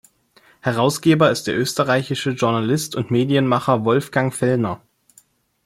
Herausgeber ist der österreichische Journalist und Medienmacher Wolfgang Fellner.